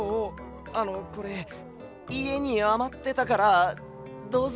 あのこれいえにあまってたからどうぞ。